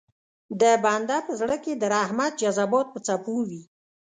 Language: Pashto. د بنده په زړه کې د رحمت جذبات په څپو وي.